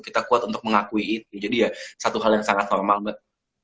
kita kuat untuk mengakui itu jadi ya satu hal yang sangat normal mbak